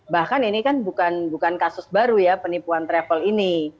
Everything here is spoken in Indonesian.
bahkan ini kan bukan kasus baru ya penipuan travel ini